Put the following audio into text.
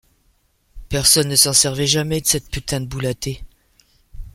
Personne ne s’en servait jamais, de cette putain de boule à thé !